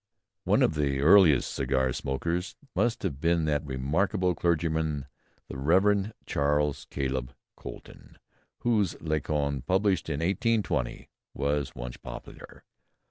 One of the earliest cigar smokers must have been that remarkable clergyman, the Rev. Charles Caleb Colton, whose "Lacon," published in 1820, was once popular.